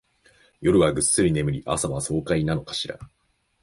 夜はぐっすり眠り、朝は爽快なのかしら